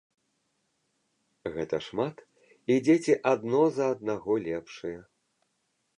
Гэта шмат, і дзеці адно за аднаго лепшыя.